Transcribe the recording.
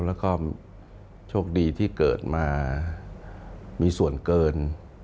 แล้วก็โชคดีที่เกิดมามีส่วนเกิน